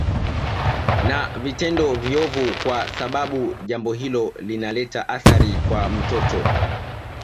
na vitendo viovu kwa sababu jambo hilo linaleta athari kwa mtoto